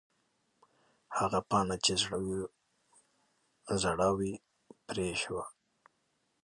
هغه پاڼه چې زړه وه، پرې شوه.